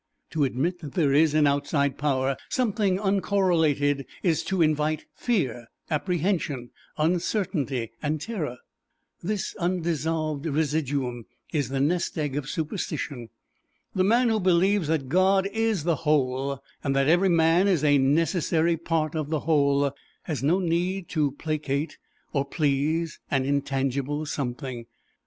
To admit that there is an outside power, something uncorrelated, is to invite fear, apprehension, uncertainty and terror. This undissolved residuum is the nest egg of superstition. The man who believes that God is the Whole, and that every man is a necessary part of the Whole, has no need to placate or please an intangible Something.